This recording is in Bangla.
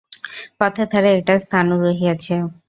পথের ধারে একটি স্থাণু রহিয়াছে।